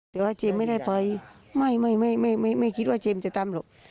แต่ว่าเจมส์ไม่ได้ไปไม่คิดว่าเจมส์จะทำหรอก